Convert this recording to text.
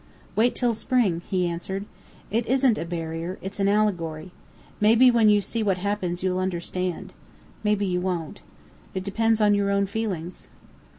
"Wait till spring," he answered. "It isn't a barrier; it's an allegory. Maybe when you see what happens you'll understand. Maybe you won't. It depends on your own feelings."